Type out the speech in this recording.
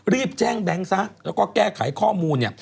รีบแจ้งแบงซักแล้วก็แก้ขายข้อมูล